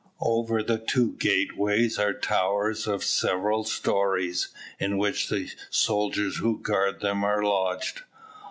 Over the two gateways are towers of several stories, in which the soldiers who guard them are lodged.